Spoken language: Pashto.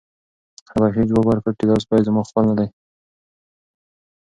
حبشي ځواب ورکړ چې دا سپی زما خپل نه دی.